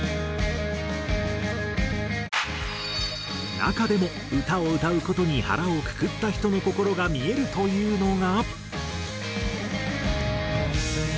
中でも歌を歌う事に腹をくくった人の心が見えるというのが。